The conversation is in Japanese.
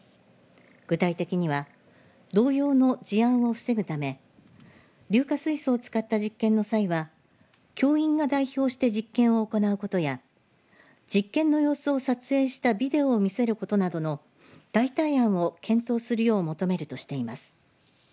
具体的には同様の事案を防ぐため硫化水素を使った実験の際は教員が代表して実験を行うことや実験の様子を撮影したビデオを見せることなどの代替案を検討するよう求めるとしています。